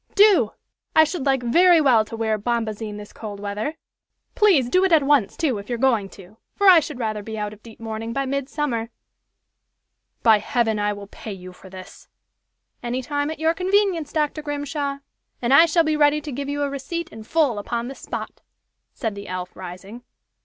Do! I should like very well to wear bombazine this cold weather. Please do it at once, too, if you're going to, for I should rather be out of deep mourning by midsummer!" "By heaven, I will pay you for this." "Any time at your convenience, Dr. Grimshaw! And I shall be ready to give you a receipt in full upon the spot!" said the elf, rising.